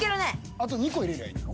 あと２個入れりゃいいんだろ。